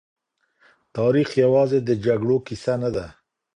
تاريخ يوازې د جګړو کيسه نه ده.